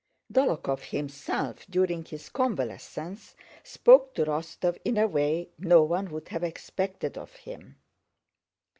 Dólokhov himself during his convalescence spoke to Rostóv in a way no one would have expected of him.